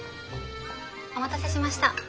お待たせしました。